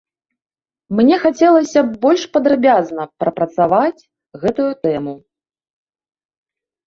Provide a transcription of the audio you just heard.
Мне хацелася б больш падрабязна прапрацаваць гэтую тэму.